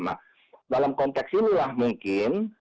nah dalam konteks inilah mungkin